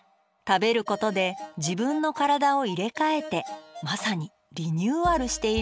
食べることで自分の体を入れ替えてまさにリニューアルしているんです。